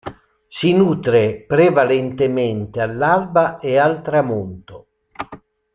Si nutre prevalentemente all'alba e al tramonto.